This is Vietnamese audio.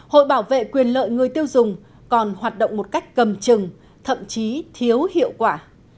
hội bảo vệ quyền lợi người tiêu dùng còn hoạt động một cách cầm chừng thậm chí thiếu hiệu quả